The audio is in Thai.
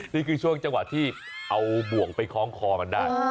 นี่คือช่วยจังหวัดที่เอาบ่วงไปค้องได้